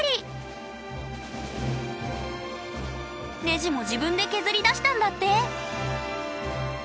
ネジも自分で削り出したんだって。